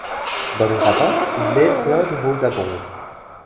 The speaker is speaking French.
Dans les ravins où mai plein de roses abonde ;